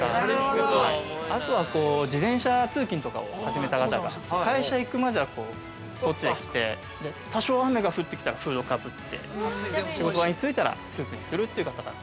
あとは、自転車通勤とかを始めた方が、会社行くまでは、こう、こっちを着て、多少雨が降ってきたらフードをかぶって、職場に着いたらスーツにするという方が。